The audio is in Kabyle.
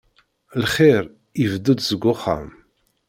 Lxir ibeddu-d seg uxxam.